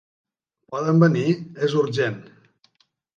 Poden venir? És urgent!